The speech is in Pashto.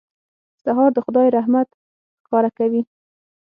سهار د خدای رحمت ښکاره کوي.